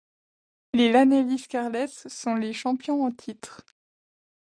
Les Llanelli Scarlets sont les champions en titre.